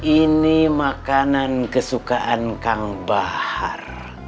ini makanan kesukaan kang bahar